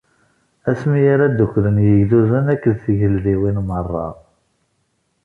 Asmi ara dduklen yigduden akked tgeldiwin merra.